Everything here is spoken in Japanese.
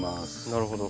なるほど。